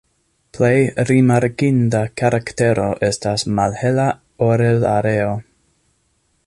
Plej rimarkinda karaktero estas malhela orelareo.